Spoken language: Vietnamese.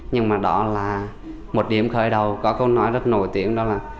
nhưng mà đó là một điểm khởi đầu có câu nói rất nổi tiếng đó là